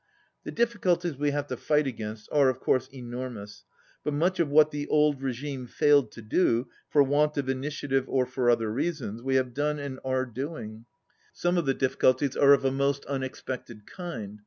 "The difficulties we have to fight against are, of course, enormous, but much of what the old regime failed to do, for want of initiative or for other reasons, we have done and are doing. Some of 99 the difficulties are of a most unexpected kind.